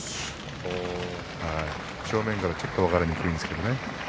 正面からはちょっと分かりづらいんですけれどもね。